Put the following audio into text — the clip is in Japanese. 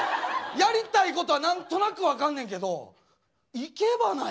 やりたいことは何となく分かんねんけど生け花やんなあ。